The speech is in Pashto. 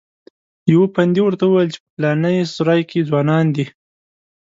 یوه پندي ورته وویل په پلانې سرای کې ځوانان دي.